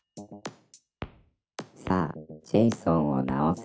☎さあジェイソンをなおせ